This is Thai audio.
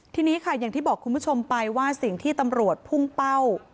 ทีนี้ค่ะอย่างที่บอกคุณผู้ชมไปว่าสิ่งที่ตำรวจพุ่งเป้า